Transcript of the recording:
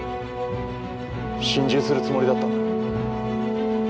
心中するつもりだったんだろ？